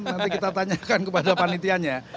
nanti kita tanyakan kepada panitianya